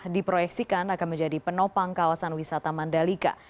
diproyeksikan akan menjadi penopang kawasan wisata mandalika